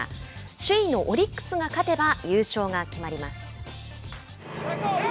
首位のオリックスが勝てば優勝が決まります。